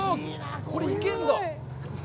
これ、行けるんだ！？